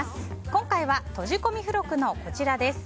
今回は、とじ込み付録のこちらです。